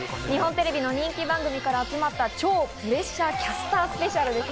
日本テレビの人気番組から集まった超プレッシャー、キャスタースペシャル。